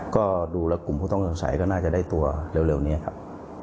ก็ดูกลุ่มท่องสงสัยก็น่าจะได้ตัวเร็วนี้ครับ